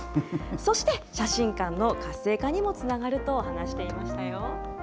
そして、写真館の活性化にもつながると話していましたよ。